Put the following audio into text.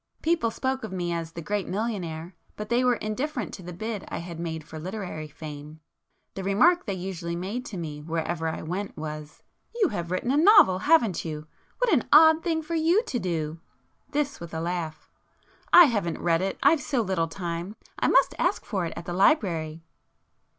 People spoke of me as 'the great millionaire,' but they were indifferent to the bid I had made for literary fame. The remark they usually made to me wherever I went was—"You have written a novel, haven't you? What an odd thing for you to do!"—this, with a laugh;—"I haven't read it,—I've so little time—I must ask for it at the library."